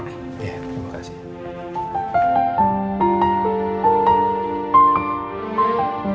waktunya makan siang